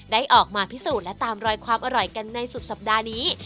ได้ออกมาพิสูจน์และตามรอยความอร่อยกันในสุดสัปดาห์นี้